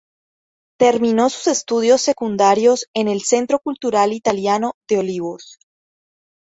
Terminó sus estudios secundarios en el Centro Cultural Italiano de Olivos.